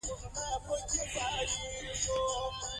رضا پهلوي د سولهییز بدلون ژمن دی.